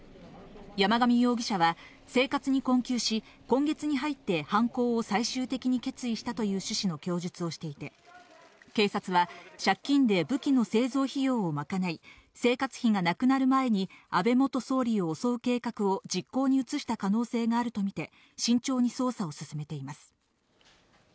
山上容疑者は、生活に困窮し、今月に入って犯行を最終的に決意したという趣旨の供述をしていて、警察は、借金で武器の製造費用を賄い、生活費がなくなる前に安倍元総理を襲う計画を実行に移した可能性があると見て、慎重に捜査を進めています。